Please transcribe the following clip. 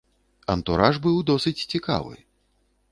Антураж быў досыць цікавы.